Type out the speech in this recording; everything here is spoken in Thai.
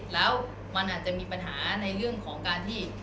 แล้วมันอาจจะมีปัญหาในเรื่องของการที่